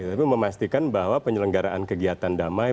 tapi memastikan bahwa penyelenggaraan kegiatan damai